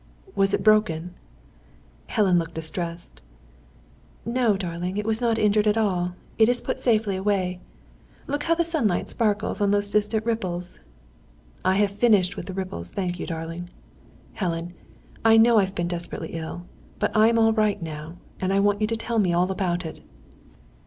"Was it broken?" Helen looked distressed. "No, darling, it was not injured at all. It is safely put away. Look how the sunlight sparkles on those distant ripples!" "I have finished with the ripples thank you, darling. Helen, I know I've been desperately ill. But I'm all right now, and I want you to tell me all about it."